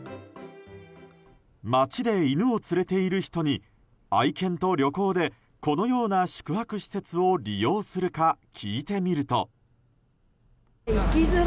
街で犬を連れている人に愛犬と旅行でこのような宿泊施設を利用するか聞いてみると。